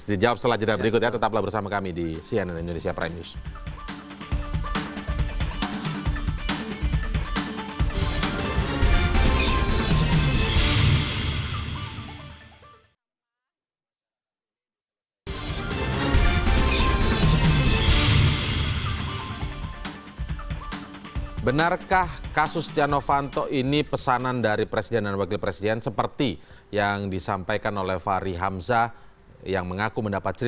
di jawab selanjutnya berikutnya tetaplah bersama kami di cnn indonesia prime news